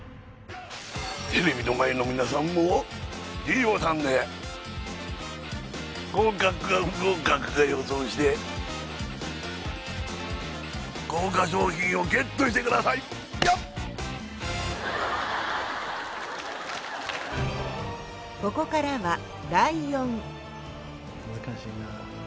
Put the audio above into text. テレビの前の皆さんもｄボタンで合格か不合格か予想して豪華賞品をＧＥＴしてくださいをジャッジこれはえ